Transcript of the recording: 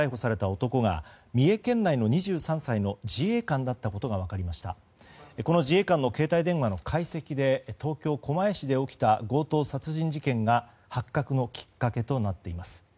この自衛官の携帯電話の解析で東京・狛江市で起きた強盗殺人事件が発覚のきっかけとなっています。